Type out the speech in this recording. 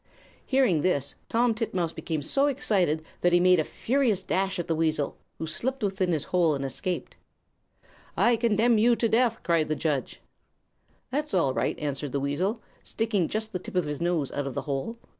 "Hearing this, Tom Titmouse became so excited that he made a furious dash at the weasel, who slipped within his hole and escaped. "'I condemn you to death!' cried the judge. "'That's all right,' answered the weasel, sticking just the tip of his nose out of the hole.